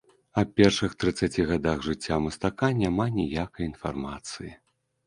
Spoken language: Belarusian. Аб першых трыццаці гадах жыцця мастака няма ніякай інфармацыі.